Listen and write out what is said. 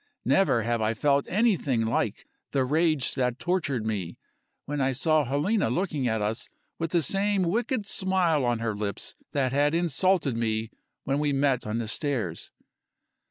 Never have I felt anything like the rage that tortured me, when I saw Helena looking at us with the same wicked smile on her lips that had insulted me when we met on the stairs.